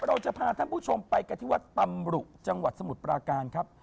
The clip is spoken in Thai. เราจะพาท่านผู้ชมไปกันที่วัดตำรุจังหวัดสมุทรปราการครับ